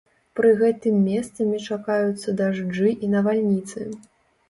Пры гэтым месцамі чакаюцца дажджы і навальніцы.